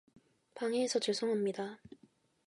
방해해서 죄송합니다.